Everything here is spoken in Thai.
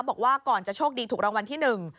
บอกว่าก่อนจะโชคดีถูกรางวัลที่หนึ่ง